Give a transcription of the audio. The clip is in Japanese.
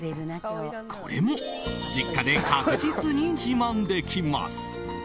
これも実家で確実に自慢できます。